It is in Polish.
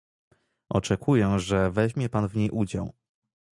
Oczekuję, że weźmie pan w niej udział